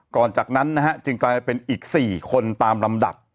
ก่อนจากนั้นจึงกลายเป็นอีก๔คนตามลำดับ